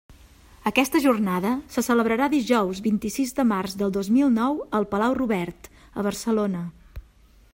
Aquesta Jornada se celebrarà dijous vint-i-sis de març del dos mil nou al Palau Robert, a Barcelona.